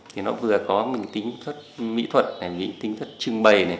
thì nó vừa có tính thuật mỹ thuật tính thuật trưng bày